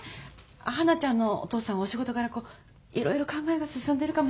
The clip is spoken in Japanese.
花ちゃんのお父さんはお仕事柄いろいろ考えが進んでるかも。